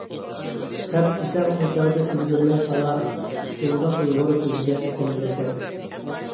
«خەپ» دېسەڭ ئۇچاغدا ئۈلگۈرمەي قالار، شۇندا ئۇيغۇر سۆزىگە تەن بىرىسەن.